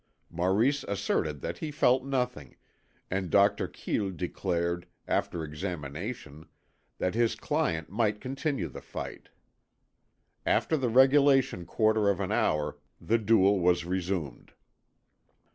Maurice asserted that he felt nothing, and Dr. Quille declared, after examination, that his client might continue the fight. After the regulation quarter of an hour the duel was resumed.